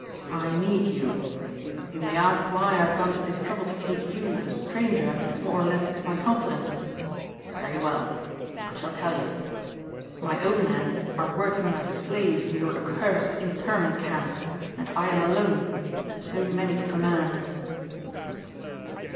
I need you. You may ask why I have gone to this trouble to take you, a stranger, more or less into my confidence. Very well. I shall tell you. My own men are working like slaves in your accursed internment camps and I am alone who had so many to command."